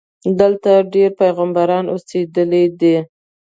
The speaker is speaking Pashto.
دلته ډېر پیغمبران اوسېدلي دي.